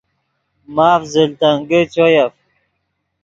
ماف زل تنگے چویف